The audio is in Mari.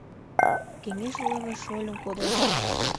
Кеҥеж лыве шольым кодеш